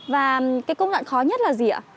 và cái công đoạn khó nhất là gì ạ